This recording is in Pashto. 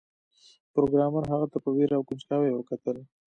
پروګرامر هغه ته په ویره او کنجکاوی وکتل